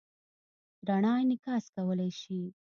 رڼا انعکاس کولی شي.